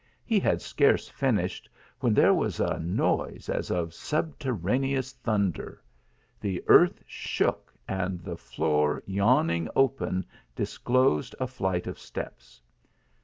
He had scarce finished, when there was a noise as of subterraneous thunder. The earth shook, and the floor yawning open disclosed a flight of steps.